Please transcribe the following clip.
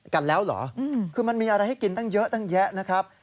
กันแล้วเหรอคือมันมีอะไรให้กินตั้งเยอะตั้งแยะนะครับ